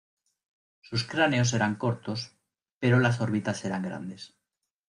Sus cráneos eran cortos, pero las órbitas eran grandes.